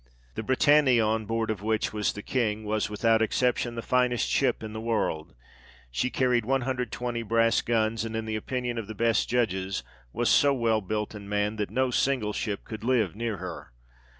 The Britannia, on board of which was the King, was, without exception, the finest ship in the world ; she carried 120 brass guns, and, in the opinion of the best judges, was so well built and manned, that no single ship could live near her.